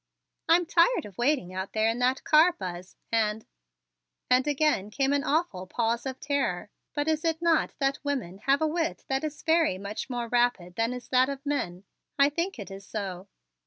"I'm tired of waiting out there in that car, Buzz, and " And again came an awful pause of terror. But is it not that women have a wit that is very much more rapid than is that of men? I think it is so.